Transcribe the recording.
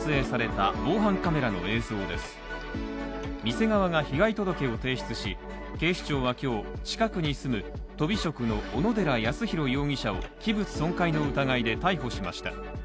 店側が被害届を提出し、警視庁は今日、近くに住むとび職の小野寺康洋容疑者を器物損壊の疑いで逮捕しました。